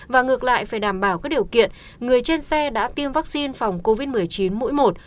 và ngược lại phải đảm bảo các điều kiện người trên xe đã tiêm vaccine phòng covid một mươi chín mũi một